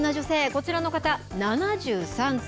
こちらの方、７３歳。